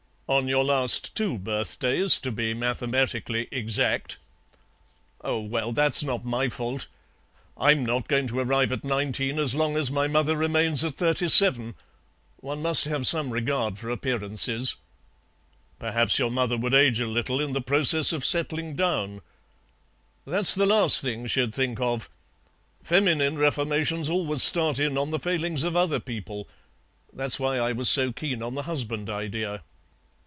"On your last two birthdays, to be mathematically exact." "Oh, well, that's not my fault. I'm not going to arrive at nineteen as long as my mother remains at thirty seven. One must have some regard for appearances." "Perhaps your mother would age a little in the process of settling down." "That's the last thing she'd think of. Feminine reformations always start in on the failings of other people. That's why I was so keen on the husband idea."